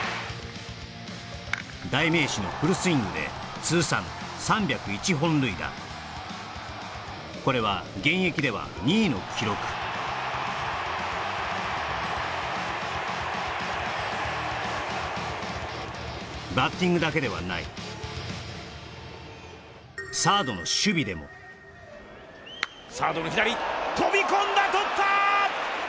代名詞のフルスイングで通算３０１本塁打これは現役では２位の記録バッティングだけではないサードの守備でもサードの左飛び込んだ取った！